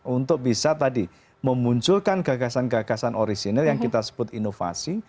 untuk bisa tadi memunculkan gagasan gagasan orisinil yang kita sebut inovasi